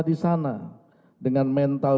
di sana dengan mental